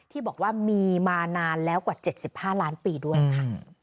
ที่บอกว่ามีมานานแล้วกว่า๗๕ล้านปีด้วยค่ะ